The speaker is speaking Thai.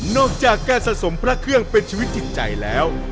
จากการสะสมพระเครื่องเป็นชีวิตจิตใจแล้ว